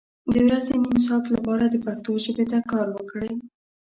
د ورځې نیم ساعت لپاره د پښتو ژبې ته کار وکړئ